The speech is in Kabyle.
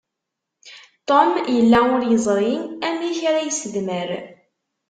Tom yella ur yeẓri amek ara isedmer.